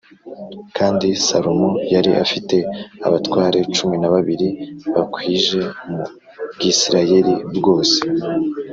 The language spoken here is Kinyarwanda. Kandi Salomo yari afite abatware cumi na babiri bakwijwe mu Bwisirayeli bwose